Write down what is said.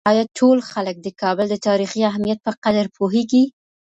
آیا ټول خلک د کابل د تاریخي اهمیت په قدر پوهېږي؟